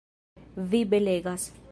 Vi belegas!